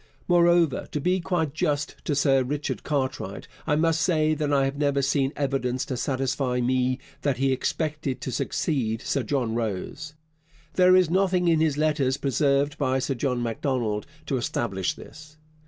Moreover, to be quite just to Sir Richard Cartwright, I must say that I have never seen evidence to satisfy me that he expected to succeed Sir John Rose. There is nothing in his letters preserved by Sir John Macdonald to establish this.